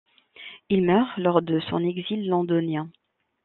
Il meurt lors de son exil londonien.